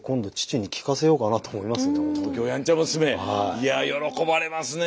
いや喜ばれますね！